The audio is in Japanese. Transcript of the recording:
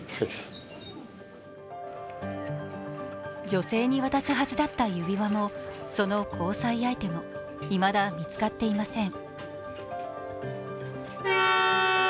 女性に渡すはずだった指輪もその交際相手もいまだ見つかっていません。